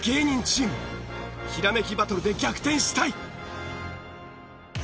ひらめきバトルで逆転したい！